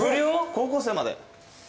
高校生まで。